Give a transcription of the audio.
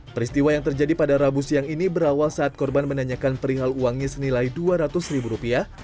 peristiwa yang terjadi pada rabu siang ini berawal saat korban menanyakan perihal uangnya senilai dua ratus ribu rupiah